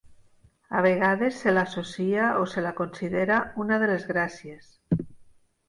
A vegades se l'associa o se la considera una de les Gràcies.